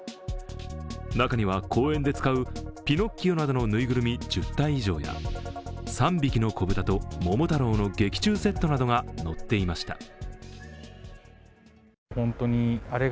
中には公演で使う「ピノッキオ」などのぬいぐるみ１０体以上や「三匹のこぶた」と「ももたろう」の劇中セットなどが載っていました。